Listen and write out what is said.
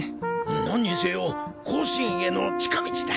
なんにせよ甲子園への近道だ。